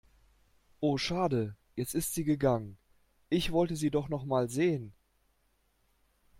Oh schade, jetzt ist sie gegangen. Ich wollte sie doch nochmal sehen.